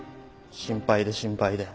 心配で心配で。